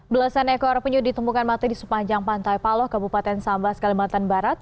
belasan ekor penyu ditemukan mati di sepanjang pantai paloh kabupaten sambas kalimantan barat